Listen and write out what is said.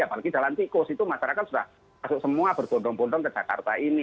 apalagi jalan tikus itu masyarakat sudah masuk semua berbondong bondong ke jakarta ini